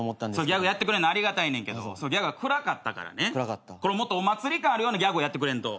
ギャグやってくれんのはありがたいねんけどギャグが暗かったからねもっとお祭り感あるようなギャグをやってくれんと。